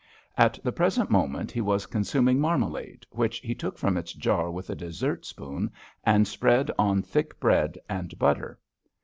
At the present moment he was consuming marmalade, which he took from its jar with a dessert spoon and spread on thick bread and butter.